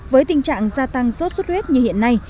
với tình trạng gia tăng sốt xuất huyết như hiện nay